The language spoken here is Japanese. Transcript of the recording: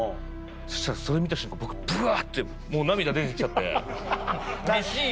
そしたらそれ見た瞬間僕ぶわ！ってもう涙出て来ちゃって。